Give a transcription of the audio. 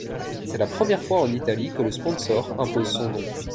C'est la première fois en Italie que le sponsor impose son nom.